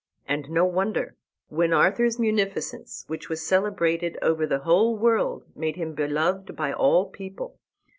And no wonder, when Arthur's munificence, which was celebrated over the whole world, made him beloved by all people.